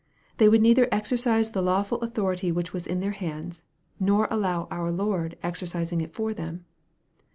They would neither exercise the lawful authority which was in their hands, nor allow of our Lord exercising it for them.